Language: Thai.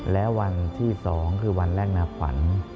และวันที่๒คือวันแรกนาขวัญ